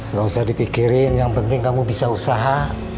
nggak usah dipikirin yang penting kamu bisa usaha